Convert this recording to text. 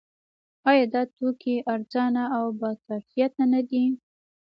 آیا دا توکي ارزانه او باکیفیته نه دي؟